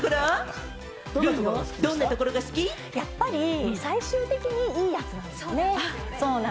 どんなとやっぱり最終的に、いいやつなんですね。